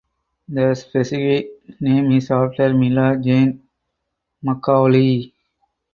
The specific name is after Mila Jane Macaulay.